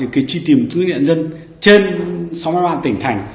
cái truy tìm thú vị nhân dân trên sáu trăm ba mươi ba tỉnh thành